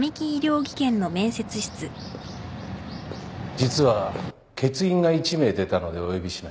実は欠員が１名出たのでお呼びしました。